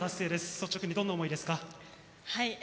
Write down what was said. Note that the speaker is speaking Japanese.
率直に、どんな思いですか？